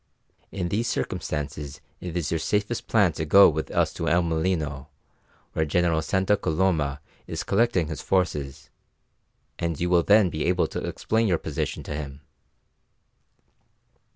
In these circumstances it is your safest plan to go with us to El Molino, where General Santa Coloma is collecting his forces, and you will then be able to explain your position to him."